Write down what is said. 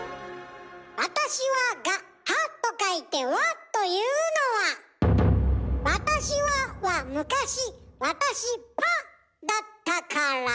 「私は」が「は」と書いて「わ」というのは「私は」は昔「私ぱ」だったから。